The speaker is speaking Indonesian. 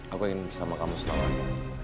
aku ingin bersama kamu selama lamanya